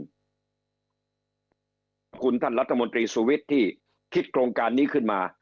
ขอบคุณท่านรัฐมนตรีสุวิทย์ที่คิดโครงการนี้ขึ้นมา